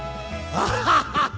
アッハハハ！